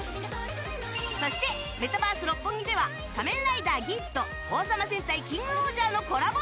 そして、メタバース六本木では「仮面ライダーギーツ」と「王様戦隊キングオージャー」のコラボ